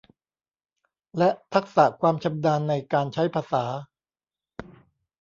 และทักษะความชำนาญในการใช้ภาษา